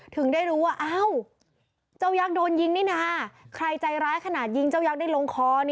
ถึงได้รู้ว่าอ้าวเจ้ายักษ์โดนยิงนี่นะใครใจร้ายขนาดยิงเจ้ายักษ์ได้ลงคอ